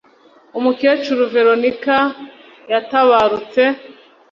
umukecuru veronika; yatabarutse